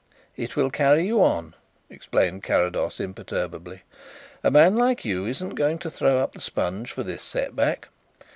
"It will carry you on," explained Carrados imperturbably. "A man like you isn't going to throw up the sponge for this set back.